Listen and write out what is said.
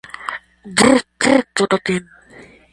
Lia filo estis same aktoro.